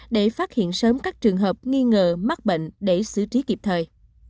để phát hiện sớm các trường hợp nghi ngờ mắc bệnh để xử trí kịp thời